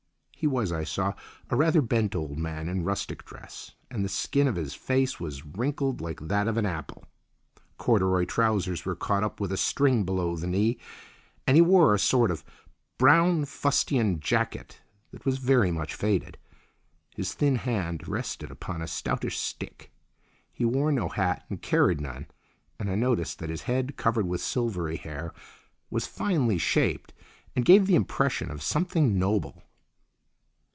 He was, I saw, a rather bent old man in rustic dress, and the skin of his face was wrinkled like that of an apple; corduroy trousers were caught up with a string below the knee, and he wore a sort of brown fustian jacket that was very much faded. His thin hand rested upon a stoutish stick. He wore no hat and carried none, and I noticed that his head, covered with silvery hair, was finely shaped and gave the impression of something noble.